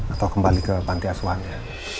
atau kembali ke panti asuhannya